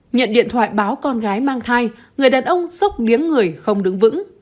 nhận điện thoại báo con gái mang thai người đàn ông sốc miếng người không đứng vững